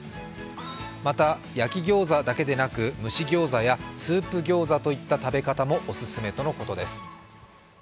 また、焼きギヨウザだけでなく、蒸しギヨウザやスープギヨウザといった食べ方もオススメだそうです。